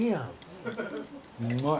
うまい。